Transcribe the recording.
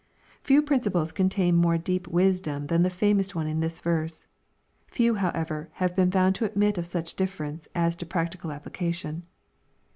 ] Few princi ples contain more deep wisdom than the famous one in this verse. Few however have been found to admit of such difference as to practical application.